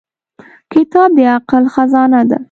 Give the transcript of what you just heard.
• کتاب د عقل خزانه ده.